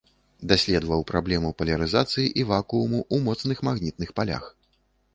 Даследаваў праблему палярызацыі і вакууму ў моцных магнітных палях.